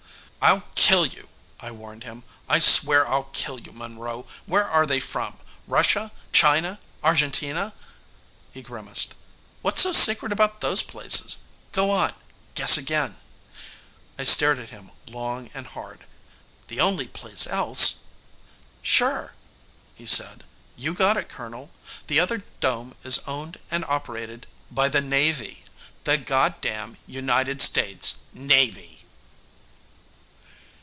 "I'll kill you," I warned him. "I swear I'll kill you, Monroe. Where are they from Russia, China, Argentina?" He grimaced. "What's so secret about those places? Go on! guess again." I stared at him long and hard. "The only place else " "Sure," he said. "You got it, Colonel. The other dome is owned and operated by the Navy. The goddam United States Navy!"